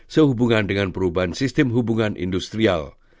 sehubungan dengan perubahan sistem hubungan industrial